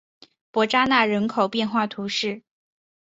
伯扎讷人口变化图示